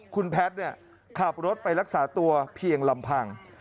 คุณแพทย์ขับรถไปรักษาตัวเพียงลำพัง